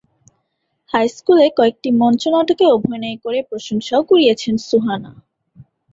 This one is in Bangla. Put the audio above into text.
হাইস্কুলে কয়েকটি মঞ্চনাটকে অভিনয় করে প্রশংসাও কুড়িয়েছেন সুহানা।